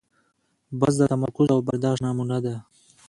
باز د تمرکز او برداشت نمونه ده